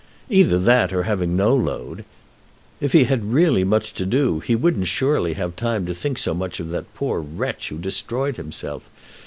"Either that, or having no load. If he had really much to do he wouldn't surely have time to think so much of that poor wretch who destroyed himself.